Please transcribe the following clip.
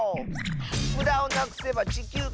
「むだをなくせばちきゅうがながいき」